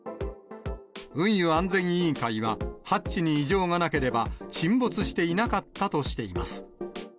運輸安全委員会は、ハッチに異常がなければ、沈没していなかったとしています。